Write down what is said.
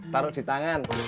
taruh di tangan